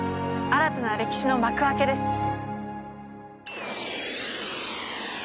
新たな歴史の幕開けです。